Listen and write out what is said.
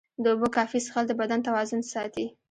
د اوبو کافي څښل د بدن توازن ساتي.